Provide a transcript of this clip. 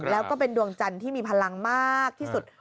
แล้วก็เป็นดวงจันทร์ที่มีพลังมากที่สุด